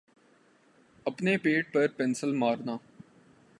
پنے پیٹ پر پنسل مارنا